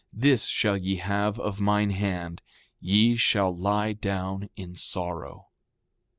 This shall ye have of mine hand—ye shall lie down in sorrow.